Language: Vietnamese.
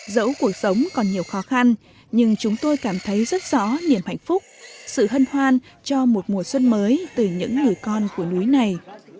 dẫu cuộc sống còn nhiều khó khăn nhưng chúng tôi cảm thấy rất rõ niềm hạnh phúc sự hân hoan cho một mùa xuân mới từ những người con của núi này